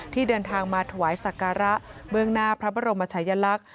เดินทางมาถวายสักการะเบื้องหน้าพระบรมชายลักษณ์